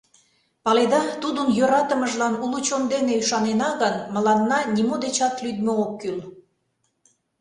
Паледа, Тудын йӧратымыжлан уло чон дене ӱшанена гын, мыланна нимо дечат лӱдмӧ ок кӱл.